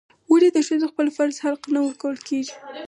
ولې د ښځو خپل فرض حق نه ورکول کیږي؟